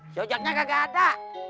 si wajahnya kagak ada